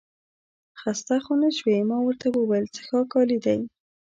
خسته خو نه شوې؟ ما ورته وویل څښاک عالي دی.